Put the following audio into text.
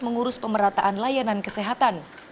mengurus pemerataan layanan kesehatan